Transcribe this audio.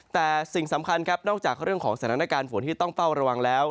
แต่สิ่งสำคัญครับนอกจากเรื่องของสถานการณ์ฝนที่ต้องเฝ้าระวังแล้ว